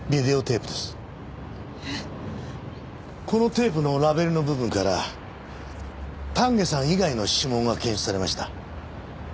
このテープのラベルの部分から丹下さん以外の指紋が検出されました。